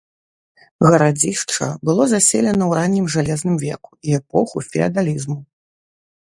Гарадзішча было заселена ў раннім жалезным веку і эпоху феадалізму.